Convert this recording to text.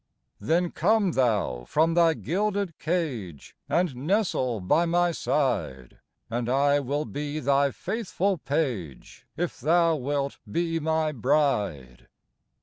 Then come thou from thy gilded cage And nestle by my side, And I will be thy faithful page, If thou wilt be my bride.